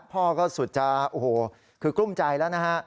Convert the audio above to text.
พ่อก็สุดจะโอ้โหคือกลุ้มใจแล้วนะฮะ